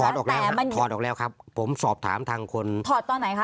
ออกแล้วถอดออกแล้วครับผมสอบถามทางคนถอดตอนไหนคะ